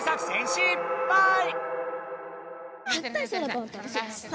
しっぱい！